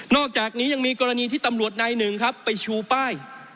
อกจากนี้ยังมีกรณีที่ตำรวจนายหนึ่งครับไปชูป้าย